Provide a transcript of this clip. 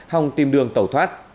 hòng tìm đường tẩu thoát